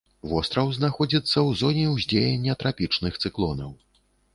Востраў знаходзіцца ў зоне ўздзеяння трапічных цыклонаў.